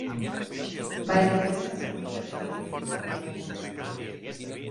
Va editar-se en format casset i vinil únicament.